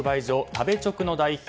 食べチョクの代表